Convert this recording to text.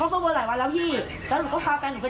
หนูเริ่มอยากเข้ามาจะมีหกหนึ่งแล้วค่ะ